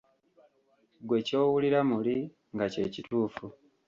Gwe ky’owulira muli nga kye kituufu?